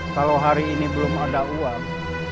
kalau hari ini belum ada uang